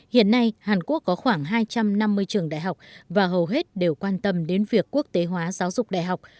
hiện nay hàn quốc có khoảng hai trăm năm mươi trường đại học và hầu hết đều quan tâm đến việc quốc tế hóa giáo dục đại học